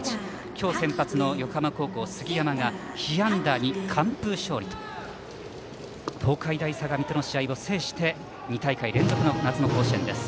今日先発の横浜高校、杉山が被安打２、完封勝利と東海大相模との試合を制して２大会連続の夏の甲子園です。